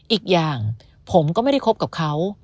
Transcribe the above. อีกอย่างผมก็ไม่ได้คบกับเขา